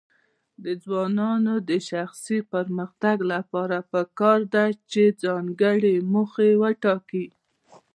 د ځوانانو د شخصي پرمختګ لپاره پکار ده چې ځانګړي موخې ټاکي.